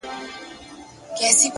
هره تجربه د ژوند ښوونځی دی!